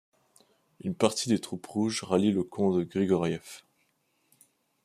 Une partie des troupes rouges rallie le camp de Grigoriev.